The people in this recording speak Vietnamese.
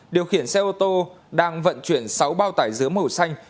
điều khiển xe ô tô đang vận chuyển sáu bao tải dứa màu xanh